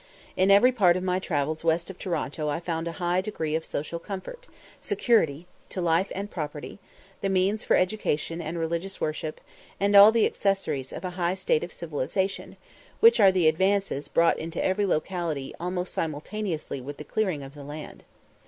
In every part of my travels west of Toronto I found a high degree of social comfort, security to life and property, the means for education and religious worship, and all the accessories of a high state of civilization, which are advantages brought into every locality almost simultaneously with the clearing of the land.